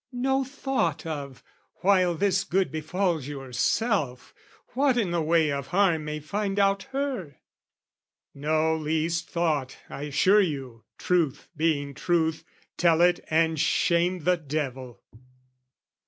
"No thought of, while this good befalls yourself, "What in the way of harm may find out her?" No least thought, I assure you: truth being truth, Tell it and shame the devil!